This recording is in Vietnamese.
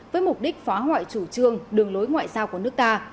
với mục đích phá hoại chủ trương đường lối ngoại giao của nước ta